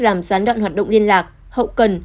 làm gián đoạn hoạt động liên lạc hậu cần